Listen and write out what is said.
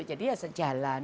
jadi ya sejalan